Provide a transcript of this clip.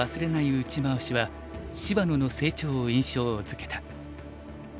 打ち回しは芝野の成長を印象づけた。